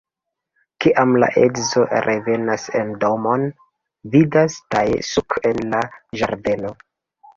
Kiam la edzo revenas en domon, vidas Tae-Suk en la ĝardeno.